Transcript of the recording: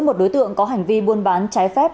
một đối tượng có hành vi buôn bán trái phép